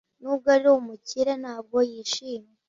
Nubwo ari umukire, ntabwo yishimye.